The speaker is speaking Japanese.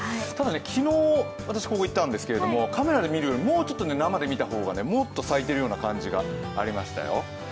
ただね、昨日、私、ここ行ったんですけどもカメラで見るより生で見る方がもっと咲いてるような感じがありましたよ。